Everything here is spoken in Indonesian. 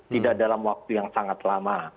tidak dalam waktu yang sangat lama